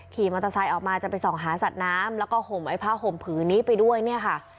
ขี่มอเตอร์ไซค์ออกมาจะไปส่องหาสัตว์น้ำแล้วก็ห่มไอ้ผ้าห่มผืนนี้ไปด้วยเนี่ยค่ะ